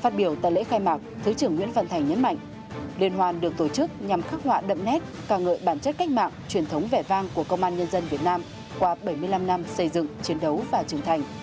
phát biểu tại lễ khai mạc thứ trưởng nguyễn văn thành nhấn mạnh liên hoan được tổ chức nhằm khắc họa đậm nét ca ngợi bản chất cách mạng truyền thống vẻ vang của công an nhân dân việt nam qua bảy mươi năm năm xây dựng chiến đấu và trưởng thành